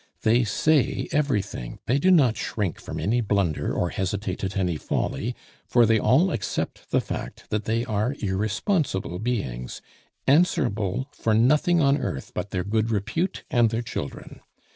They say everything, they do not shrink from any blunder or hesitate at any folly, for they all accept the fact that they are irresponsible beings, answerable for nothing on earth but their good repute and their children.